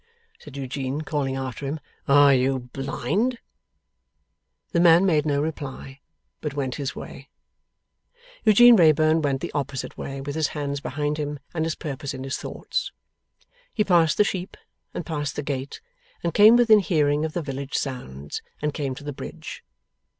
said Eugene, calling after him, 'are you blind?' The man made no reply, but went his way. Eugene Wrayburn went the opposite way, with his hands behind him and his purpose in his thoughts. He passed the sheep, and passed the gate, and came within hearing of the village sounds, and came to the bridge.